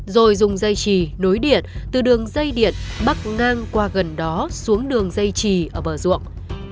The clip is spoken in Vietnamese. rồi dùng dây trì nối điện từ đường dây điện bắc ngang qua gần đó xuống đường dây trì ở bờ ruộng